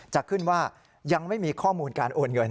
จะขึ้นว่ายังไม่มีข้อมูลการโอนเงิน